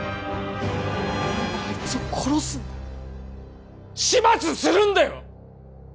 お前はあいつを殺すんだ始末するんだよ！